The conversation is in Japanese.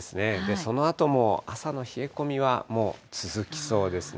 そのあとも朝の冷え込みは、もう続きそうですね。